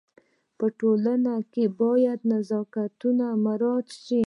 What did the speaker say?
په ټولنه کي باید نزاکتونه مراعت سي.